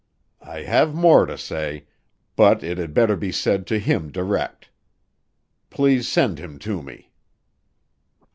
I have more to say, but it had better be said to him direct. Please send him to me."